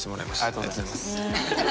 ありがとうございます。